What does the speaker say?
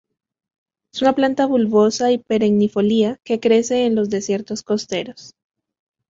Es una planta bulbosa y perennifolia que crece en los desiertos costeros.